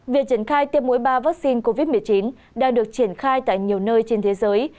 việc triển khai tiêm mũi ba vaccine covid một mươi chín đang được triển khai tại nhiều nơi trên thế giới